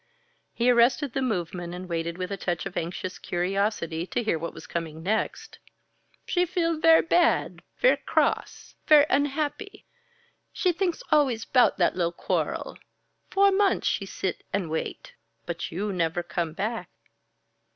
He arrested the movement and waited with a touch of anxious curiosity to hear what was coming next. "She feel ver' bad ver' cross, ver' unhappy. She thinks always 'bout that li'l' quarrel. Four months she sit and wait but you never come back."